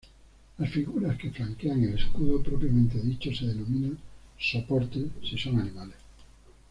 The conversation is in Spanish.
Las figuras que flanquean el escudo propiamente dicho se denominan "soportes" si son animales.